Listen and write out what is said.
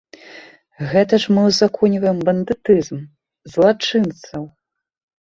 Гэта ж мы ўзаконьваем бандытызм, злачынцаў!